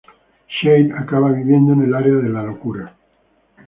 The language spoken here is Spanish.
Shade acaba viviendo en el Área de la Locura.